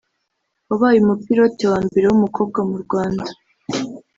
wabaye umupilote wa mbere w’umukobwa mu Rwanda